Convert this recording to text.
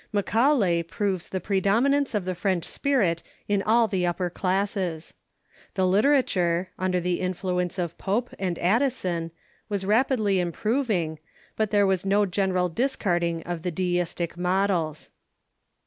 Macaulay proves the predominance of the French spirit in all the upper classes. The literature, under the influence of Pope and Addison, Avas rapidly improving, but there was no general discarding of the deistic models.